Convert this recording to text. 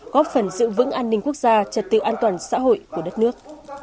góp phần giữ vững an ninh quốc gia trật tự an toàn xã hội của đất nước